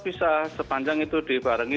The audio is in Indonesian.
bisa sepanjang itu dibarengi